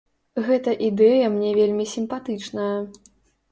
Гэта ідэя мне вельмі сімпатычная.